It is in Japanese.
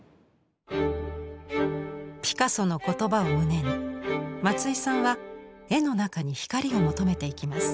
ピカソの言葉を胸に松井さんは絵の中に光を求めていきます。